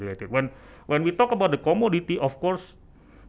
ketika kita bicara tentang komoditas tentu saja